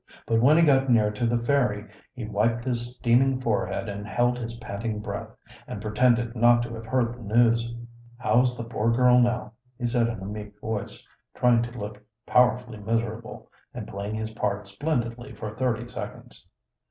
But when he got near to the "Fairy" he wiped his steaming forehead and held his panting breath, and pretended not to have heard the news. "How's the poor girl now?" he said in a meek voice, trying to look powerfully miserable, and playing his part splendidly for thirty seconds.